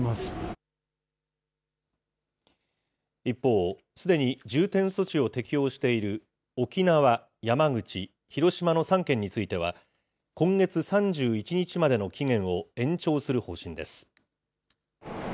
一方、すでに重点措置を適用している沖縄、山口、広島の３県については、今月３１日までの期限を延長する方針です。